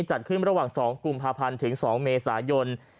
จัดขึ้นระหว่าง๒กุมภาพันธ์ถึง๒เมษายน